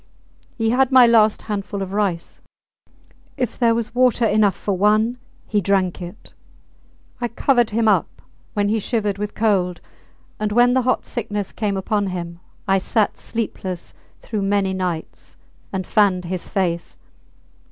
He had my last handful of rice; if there was water enough for one he drank it; I covered him up when he shivered with cold; and when the hot sickness came upon him I sat sleepless through many nights and fanned his face.